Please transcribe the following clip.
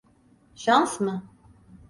Şans mı?